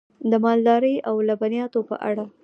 د مالدارۍ او لبنیاتو په اړه: